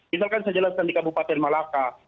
misalkan sejelas kan di kabupaten malaka